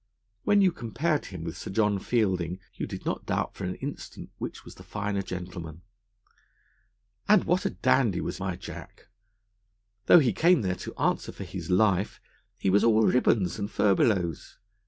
When you compared him with Sir John Fielding, you did not doubt for an instant which was the finer gentleman. And what a dandy was my Jack! Though he came there to answer for his life, he was all ribbons and furbelows.